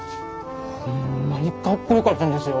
ホンマにかっこよかったんですよ！